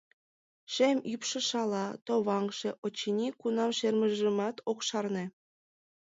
Шем ӱпшӧ шала, товаҥше, очыни, кунам шермыжымат ок шарне.